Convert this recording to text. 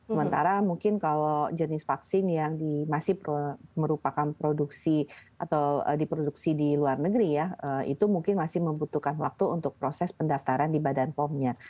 sementara mungkin kalau jenis vaksin yang masih merupakan produksi atau diproduksi di luar negeri ya itu mungkin masih membutuhkan waktu untuk proses pendaftaran di badan pomnya